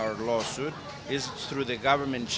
adalah melalui channel pemerintah